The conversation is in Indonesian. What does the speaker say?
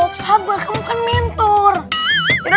akalanya kudu kalian jangan bercanda